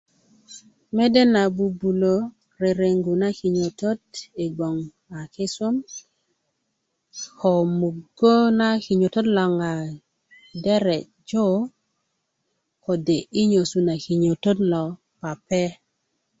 mede na bubulö rerengu na kinyotot i gboŋ a kisum ko muggö na kinyotot logon a dere' jo kode' yi nyesu na kinyotot lo pape